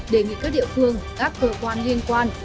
đề nghị các địa phương các cơ quan liên quan